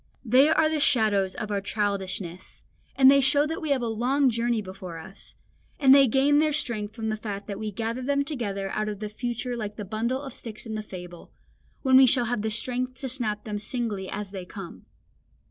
They are the shadows of our childishness, and they show that we have a long journey before us; and they gain their strength from the fact that we gather them together out of the future like the bundle of sticks in the fable, when we shall have the strength to snap them singly as they come.